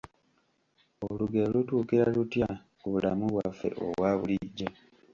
Olugero lutuukira lutya ku bulamu bwaffe obwa bulijjo?